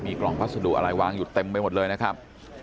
กล่องพัสดุอะไรวางอยู่เต็มไปหมดเลยนะครับ